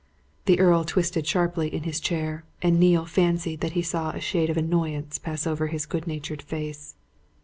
The Earl twisted sharply in his chair, and Neale fancied that he saw a shade of annoyance pass over his good natured face.